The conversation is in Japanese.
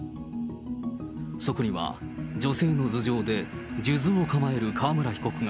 そこには女性の頭上で数珠を構える川村被告が。